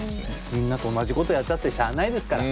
みんなと同じことをやったってしゃあないですから。